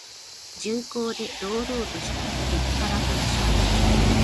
重厚で堂々としたりっぱな文章。